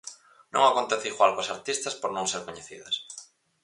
Non acontece igual coas artistas por non ser coñecidas.